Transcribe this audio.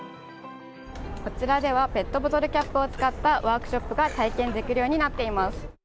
こちらではペットボトルキャップを使ったワークショップが体験できるようになっています。